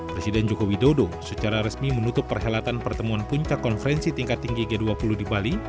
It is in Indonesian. presiden joko widodo secara resmi menutup perhelatan pertemuan puncak konferensi tingkat tinggi g dua puluh di bali